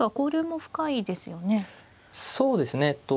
そうですね。